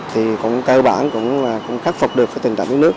thì cũng cơ bản cũng khắc phục được cái tình trạng thiếu nước